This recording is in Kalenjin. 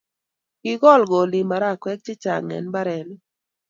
Kikol kolik marakwek che chang' eng' mbarenik